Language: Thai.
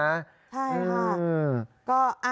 ใช่ค่ะ